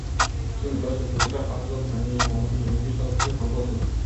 禁止这些组织在哈萨克斯坦进行活动是一种预防措施。